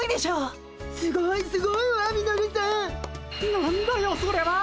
何だよそれは！